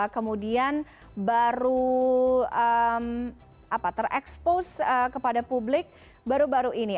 kemudian baru terekspos kepada publik baru baru ini